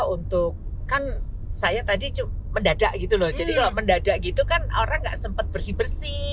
untuk kan saya tadi cuma mendadak gitu loh jadi kalau mendadak gitu kan orang nggak sempat bersih bersih